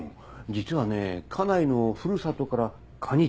実はね家内のふるさとからカニ